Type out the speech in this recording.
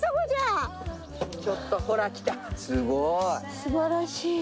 すばらしい。